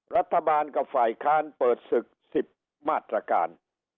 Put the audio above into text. รัฐบาลกับฝ่ายค้านเปิดศึก๑๐มาตรการ